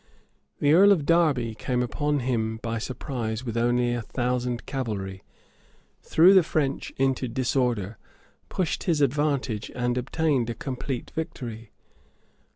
{1345.} The earl of Derby came upon him by surprise with only a thousand cavalry, threw the French into disorder, pushed his advantage, and obtained a complete victory.